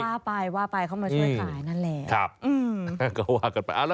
ว่าไปว่าไปเขามาช่วยขายนั่นแหละ